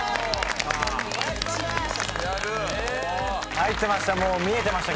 入ってました。